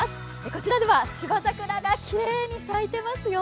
こちらでは芝桜がきれいに咲いてますよ。